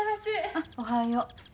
あおはよう。